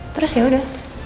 terus ya udah